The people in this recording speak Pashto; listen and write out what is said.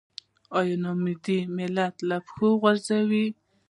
نا اميدي ملت له پښو غورځوي.